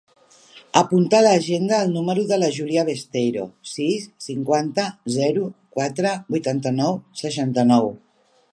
Apunta a l'agenda el número de la Giulia Besteiro: sis, cinquanta, zero, quatre, vuitanta-nou, seixanta-nou.